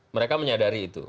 mereka menyadari itu